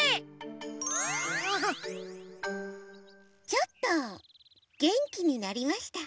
ちょっとげんきになりました。